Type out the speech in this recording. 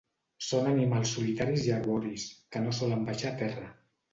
Són animals solitaris i arboris, que no solen baixar a terra.